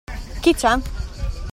Chi c'è?